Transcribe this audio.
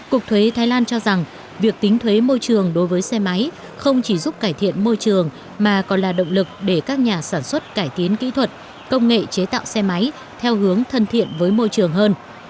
cục thuế thái lan cho rằng việc tính thuế môi trường đối với xe máy không chỉ giúp cải thiện môi trường mà còn là động lực để các nhà sản xuất cải tiến kỹ thuật công nghệ chế tạo xe máy theo hướng thân thiện với môi trường hơn